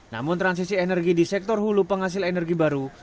namun transisi energi di sektor hulu penghasil energi baru